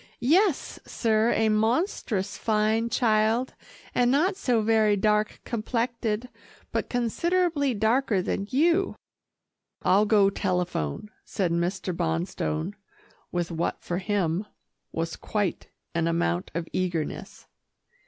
"Yes, sir a monstrous fine child, and not so very dark complected but considerable darker than you." "I'll go telephone," said Mr. Bonstone, with what for him, was quite an amount of eagerness.